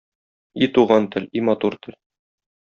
И туган тел, и матур тел.